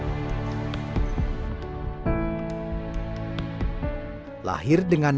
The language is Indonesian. dan pada akhirnya mereka bisa menjadi orang orang yang berpengalaman